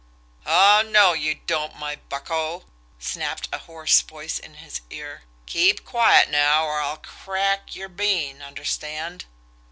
"Ah, no, you don't, my bucko!" snapped a hoarse voice in his ear. "Keep quiet now, or I'll crack your bean understand!"